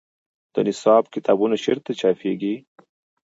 د نصاب کتابونه چیرته چاپیږي؟